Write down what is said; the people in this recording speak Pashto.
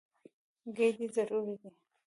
ګېډې ضروري دي.